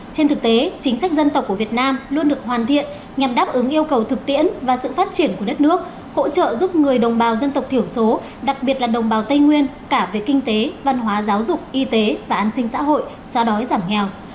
trên thực tế chính sách dân tộc của việt nam luôn được hoàn thiện nhằm đáp ứng yêu cầu thực tiễn và sự phát triển của đất nước hỗ trợ giúp người đồng bào dân tộc thiểu số đặc biệt là đồng bào tây nguyên cả về kinh tế văn hóa giáo dục y tế và an sinh xã hội xóa đói giảm nghèo